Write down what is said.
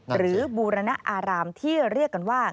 บูรณอารามที่เรียกกันว่า